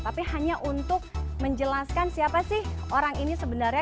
tapi hanya untuk menjelaskan siapa sih orang ini sebenarnya